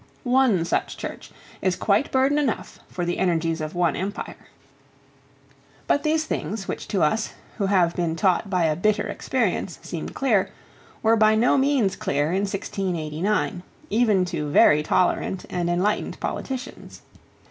One such Church is quite burden enough for the energies of one empire. But these things, which to us, who have been taught by a bitter experience, seem clear, were by no means clear in 1689, even to very tolerant and enlightened politicians.